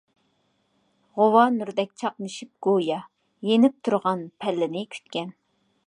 غۇۋا نۇردەك چاقنىشىپ گويا، يېنىپ تۇرغان پەللىنى كۈتكەن.